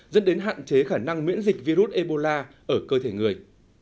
dẫn đến hạn chế khả năng miễn dịch virus ebola ở cơ thể người